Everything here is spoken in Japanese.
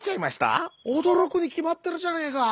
「おどろくにきまってるじゃねえか。